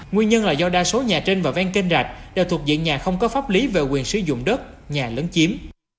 nguyên nhân là do đa số nhà trên và ven kênh rạch đều thuộc diện nhà không có pháp lý về quyền sử dụng đất nhà lớn chiếm